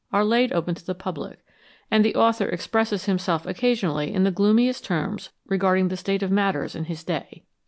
are laid open to the public," and the author expresses himself occasionally in the gloomiest terms regarding the state of matters in his day.